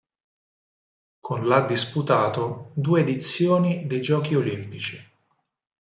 Con l' ha disputato due edizioni dei Giochi olimpici.